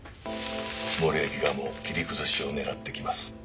森脇側も切り崩しを狙ってきます。